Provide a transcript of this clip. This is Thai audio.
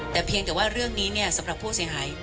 แต่เพียงแต่ว่าเรื่องนี้สำหรับผู้เสียหาย